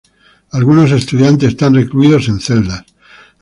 Algunos estudiantes están recluidos en celdas.